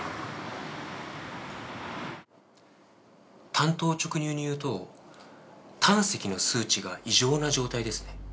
単刀直入に言うと胆石の数値が異常な状態ですね。